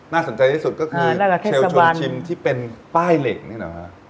น่าสนใจที่สุดก็คือเชียวชนชิมที่เป็นป้ายเหล็กเนี่ยเหรอครับ